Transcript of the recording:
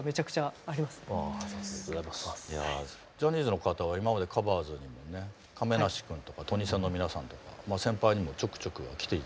ジャニーズの方は今まで「ＴｈｅＣｏｖｅｒｓ」にはね亀梨君とかトニセンの皆さんとか先輩にもちょくちょく来て頂いてるんですけど。